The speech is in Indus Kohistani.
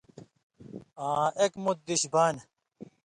آں اِک مُت دِش بانیۡ۔